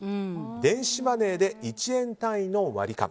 電子マネーで１円単位の割り勘。